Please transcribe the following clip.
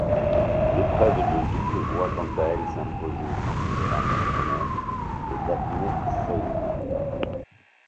L'épreuve de double voit quant à elle s'imposer Angela Mortimer et Daphne Seeney.